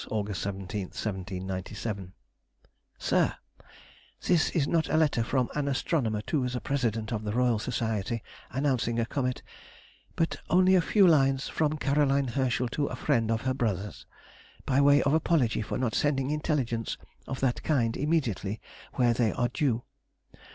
August, 17, 1797. SIR,— This is not a letter from an astronomer to the President of the Royal Society announcing a comet, but only a few lines from Caroline Herschel to a friend of her brother's, by way of apology for not sending intelligence of that kind immediately where they are due.